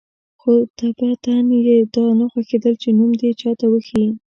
خو طبیعتاً یې دا نه خوښېدل چې نوم دې چاته وښيي.